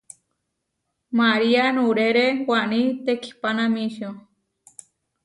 María nuʼrére Waní tekihpanamíčio.